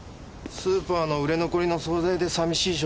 スーパーの売れ残りの惣菜で寂しい食事。